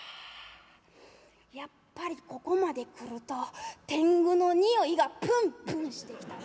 「やっぱりここまで来ると天狗のにおいがプンプンしてきた。